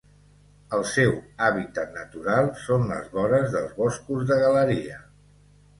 El seu hàbitat natural són les vores dels boscos de galeria.